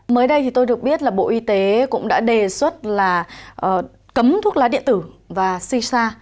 mới đây thì tôi được biết là bộ y tế cũng đã đề xuất là cấm thuốc lá điện tử và si sa